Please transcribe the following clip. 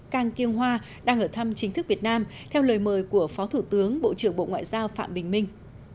kang kyung hoa đang ở thăm chính thức việt nam theo lời mời của phó thủ tướng bộ trưởng bộ ngoại giao phạm bình minh